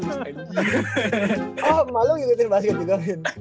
oh emak lo ngikutin basket juga